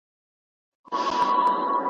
د لويي جرګې مشري څوک کوي؟